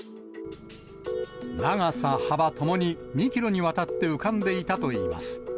長さ、幅ともに２キロにわたって浮かんでいたといいます。